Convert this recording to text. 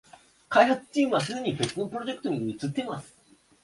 開発チームはすでに別のプロジェクトに移ってます